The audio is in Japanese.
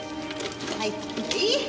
はいはい。